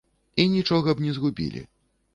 І нічога б не згубілі.